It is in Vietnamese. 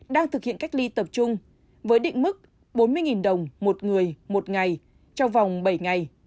đang thực hiện cách ly tập trung với định mức bốn mươi đồng một người một ngày trong vòng bảy ngày